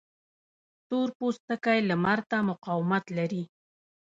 تور پوستکی لمر ته مقاومت لري